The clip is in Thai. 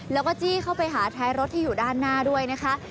แล้วก็จี้เข้าไปหาท้ายรถที่อยู่ด้านหน้าด้วยนะคะ